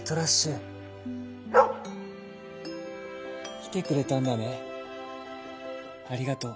「きてくれたんだね！ありがとう」。